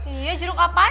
iya jeruk apaan